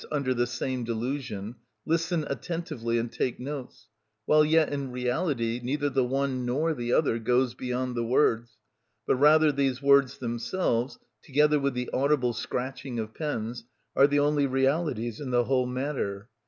_, under the same delusion, listen attentively and take notes, while yet in reality neither the one nor the other goes beyond the words, but rather these words themselves, together with the audible scratching of pens, are the only realities in the whole matter.